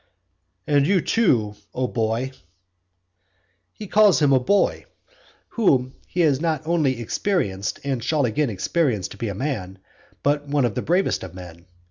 "And you too, O boy " He calls him a boy whom he has not only experienced and shall again experience to be a man, but one of the bravest of men.